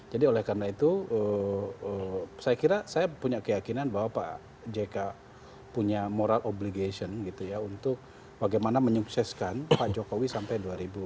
jadi oleh karena itu saya kira saya punya keyakinan bahwa pak jk punya moral obligation gitu ya untuk bagaimana menyukseskan pak jokowi sampai dua ribu sembilan belas